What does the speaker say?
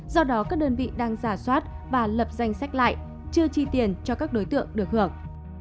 do đó các đơn vị đang giả soát và lập danh sách lại chưa chi tiền cho các đối tượng được hưởng